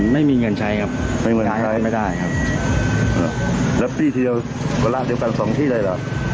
ไม่มีเงินใช้ครับไม่ได้แล้วปีที่เดียวเวลาเจียบกันสองที่เลยหรอ